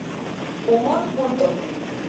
Humor culto.